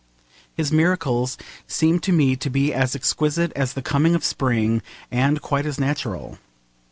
His miracles seem to me to be as exquisite as the coming of spring, and quite as natural.